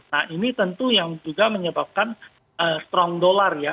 nah ini tentu yang juga menyebabkan strong dolar ya